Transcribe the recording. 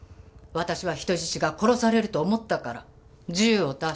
私は人質が殺されると思ったから銃を出したのよ。